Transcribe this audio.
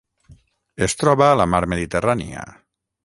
Es troba a la Mar Mediterrània: